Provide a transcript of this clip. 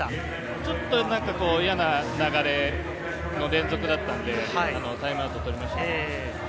ちょっと嫌な流れの連続だったので、タイムアウトをとりましたね。